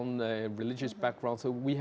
jadi kita harus menggabungkan mereka